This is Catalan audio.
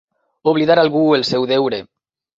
Oblidar algú el seu deure.